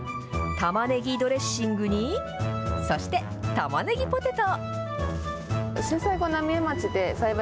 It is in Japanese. たまねぎドレッシングに、そして、たまねぎポテト。